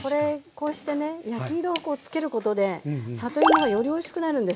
こうしてね焼き色をつけることで里芋がよりおいしくなるんです。